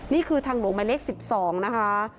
นี่คือทางโหลมะเล็ก๑๒นะคะ